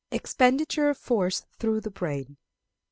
_Expenditure of Force through the Brain.